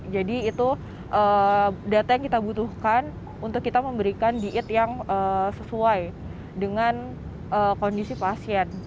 jadi itu data yang kita butuhkan untuk kita memberikan diet yang sesuai dengan kondisi pasien